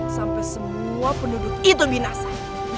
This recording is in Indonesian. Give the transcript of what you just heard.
sampai semua penduduk itu binasa